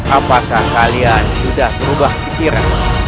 apakah kalian sudah berubah pikiran